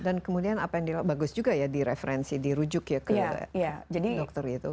dan kemudian apa yang bagus juga ya di referensi dirujuk ya ke dokter itu